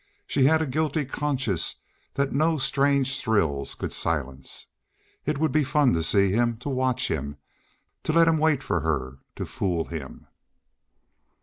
She had a guilty conscience that no strange thrills could silence. It would be fun to see him, to watch him, to let him wait for her, to fool him.